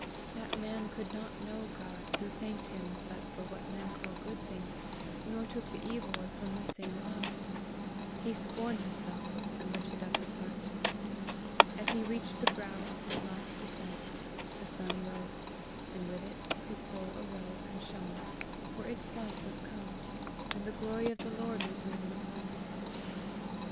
That man could not know God who thanked him but for what men call good things, nor took the evil as from the same love! He scorned himself, and lifted up his heart. As he reached the brow of his last descent, the sun rose, and with it his soul arose and shone, for its light was come, and the glory of the Lord was risen upon it.